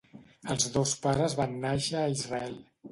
Els dos pares van nàixer a Israel.